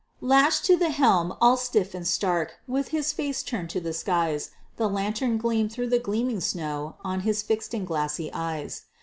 Lashed to the helm, all stiff and stark, With his face turned to the skies, The lantern gleamed through the gleaming snow On his fixed and glassy eyes.